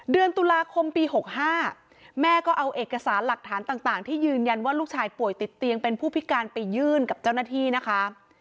เดือนตุลาคมปี๖๕แม่ก็เอาเอกสารหลักฐานต่างที่ยืนยันว่าลูกชายป่วยติดเตียงเป็นผู้พิการไปยื่นกับเจ้าหน้าที่นะคะ